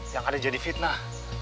yang ada jadi fitnah